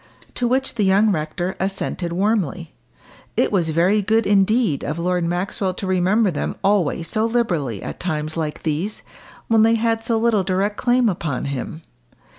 To which the young rector assented warmly. It was very good, indeed, of Lord Maxwell to remember them always so liberally at times like these, when they had so little direct claim upon him.